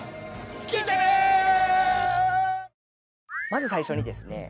まず最初にですね